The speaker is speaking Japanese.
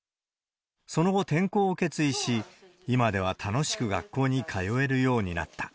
その後、転校を決意し、今では楽しく学校に通えるようになった。